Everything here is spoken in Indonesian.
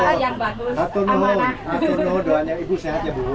hatunuh doanya ibu sehat ya bu